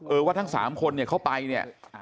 เออว่าทั้ง๓คนเข้าไปเนี่ย